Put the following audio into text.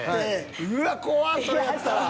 うわっ怖っそれやったら。